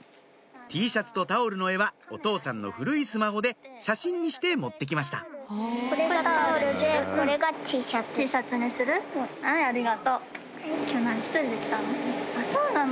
Ｔシャツとタオルの絵はお父さんの古いスマホで写真にして持って来ましたそうなの？